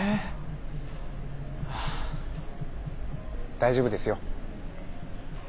大丈夫ですよ。え？